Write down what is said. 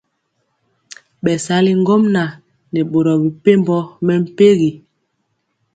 Bɛsali ŋgomnaŋ nɛ boro mepempɔ mɛmpegi.